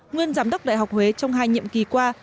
nguyên giám đốc đại học huế trong hai nhiệm kỳ qua